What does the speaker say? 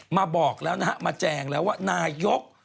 มาบอกแล้วมาแจ้งแล้วว่านายก